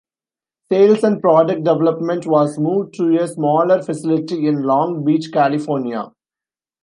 Sales and product development was moved to a smaller facility in Long Beach, California.